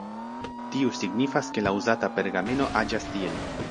Tiu signifas, ke la uzata pergameno aĝas tiel.